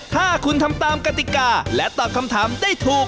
ถ้าคุณทำตามกติกาและตอบคำถามได้ถูก